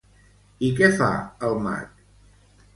I què fa el mag?